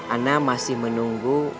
ana masih menunggu